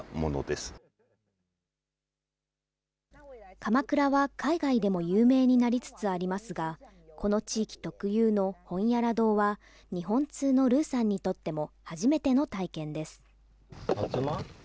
かまくらは海外でも有名になりつつありますが、この地域特有のホンヤラドウは、日本通のＲＵさんにとっても初めての体験です。